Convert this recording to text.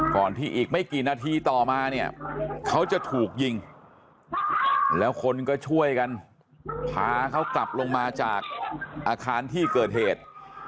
ก่อนที่อีกไม่กี่นาทีต่อมาเนี่ยเขาจะถูกยิงแล้วคนก็ช่วยกันพาเขากลับลงมาจากอาคารที่เกิดเหตุ